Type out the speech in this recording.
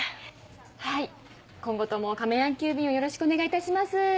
はい今後とも亀やん急便をよろしくお願いいたします。